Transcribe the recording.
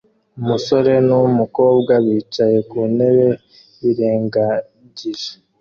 Umusore numukobwa bicaye ku ntebe birengagije